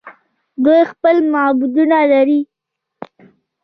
دوی خپل معبدونه لري.